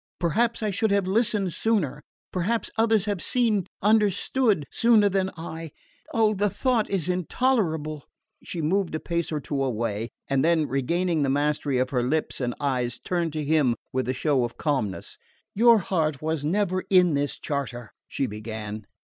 Perhaps I should have listened sooner. Perhaps others have seen understood sooner than I oh, the thought is intolerable!" She moved a pace or two away, and then, regaining the mastery of her lips and eyes, turned to him with a show of calmness. "Your heart was never in this charter " she began.